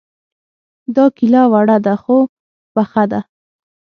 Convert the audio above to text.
دا کيله وړه ده خو پخه ده